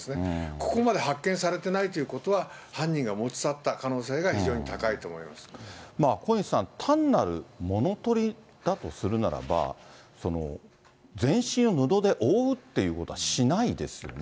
ここまで発見されてないということは、犯人が持ち去った可能性が小西さん、単なるものとりだとするならば、全身を布で覆うっていうことはしないですよね。